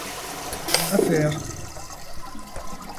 A faire...